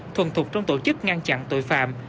thuần thuộc trong tổ chức ngăn chặn tội phạm